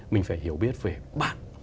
mình phải hiểu biết về bạn